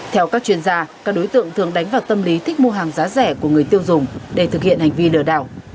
theo các chuyên gia các đối tượng thường đánh vào tâm lý thích mua hàng giá rẻ của người tiêu dùng để thực hiện hành vi lừa đảo